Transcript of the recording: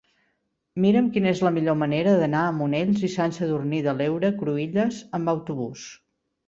Mira'm quina és la millor manera d'anar a Monells i Sant Sadurní de l'Heura Cruïlles amb autobús.